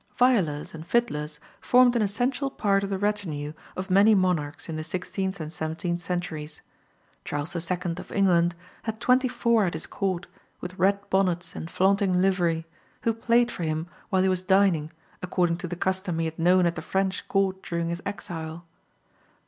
Violers and fiddlers formed an essential part of the retinue of many monarchs in the sixteenth and seventeenth centuries. Charles II., of England, had twenty four at his court, with red bonnets and flaunting livery, who played for him while he was dining according to the custom he had known at the French court during his exile.